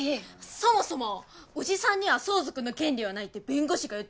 そもそもおじさんには相続の権利はないって弁護士が言っとるし。